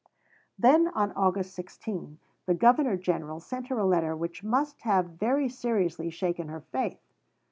Then on August 16 the Governor General sent her a letter which must have very seriously shaken her faith.